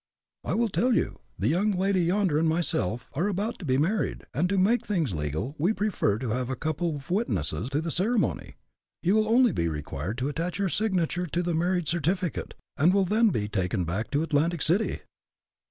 "I will tell you. The young lady yonder and myself are about to be married, and, to make things legal, we prefer to have a couple of witnesses to the ceremony. You will only be required to attach your signature to the marriage certificate, and will then be taken back to Atlantic City."